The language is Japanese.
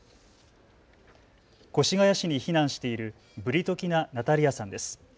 越谷市に避難しているブリトキナ・ナタリアさんです。